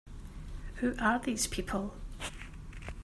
Who are these people?